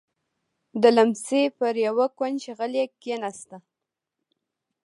د ليمڅي پر يوه کونج غلې کېناسته.